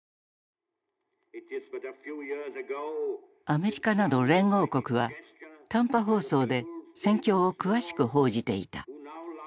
アメリカなど連合国は短波放送で戦況を詳しく報じていた。